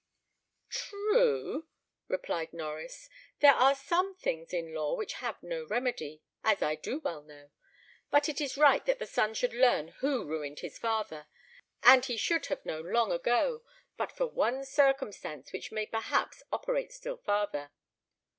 "True," replied Norries; "there are some things in law which have no remedy, as I do well know; but it is right that the son should learn who ruined his father, and he should have known long ago, but for one circumstance which may perhaps operate still farther."